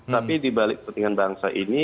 tapi dibalik kepentingan bangsa ini